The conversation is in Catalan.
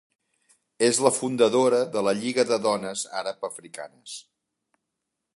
És la fundadora de la Lliga de Dones Àrab-africanes.